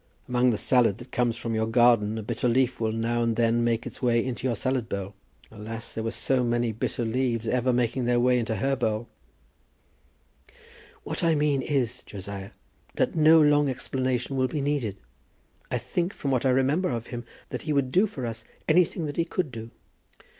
Among the salad that comes from your garden a bitter leaf will now and then make its way into your salad bowl. Alas, there were so many bitter leaves ever making their way into her bowl! "What I mean is, Josiah, that no long explanation will be needed. I think, from what I remember of him, that he would do for us anything that he could do."